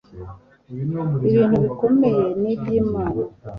ibintu bikomeye ni byimana